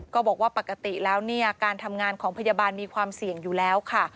ก็บอกว่าปกติแล้วเนี่ยการทำงานของพยาบาลมีความเสี่ยงอยู่แล้วค่ะ